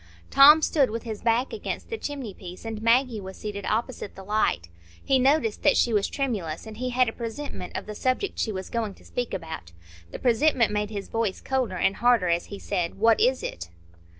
Tom stood with his back against the chimney piece, and Maggie was seated opposite the light. He noticed that she was tremulous, and he had a presentiment of the subject she was going to speak about. The presentiment made his voice colder and harder as he said, "What is it?"